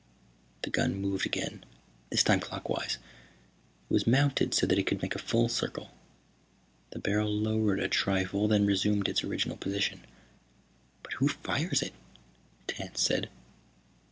The gun moved again, this time clockwise. It was mounted so that it could make a full circle. The barrel lowered a trifle, then resumed its original position. "But who fires it?" Tance said.